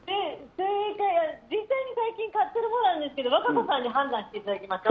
実際に最近買ったものなんですけど和歌子さんに判断していただきましょう。